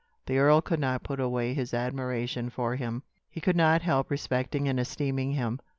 The earl could not put away his admiration for him; he could not help respecting and esteeming him.